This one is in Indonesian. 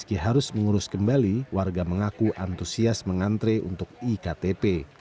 meski harus mengurus kembali warga mengaku antusias mengantre untuk iktp